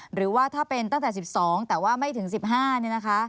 หรือว่าถ้าเป็นตั้งแต่๑๒แต่ว่าไม่ถึง๑๕เนี่ยนะคะ